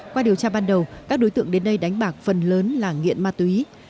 qua điều tra ban đầu các đối tượng đến đây đánh bạc phần lớn là nghiện ma túy